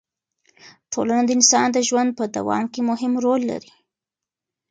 ټولنه د انسان د ژوند په دوام کې مهم رول لري.